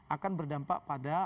akan berdampak pada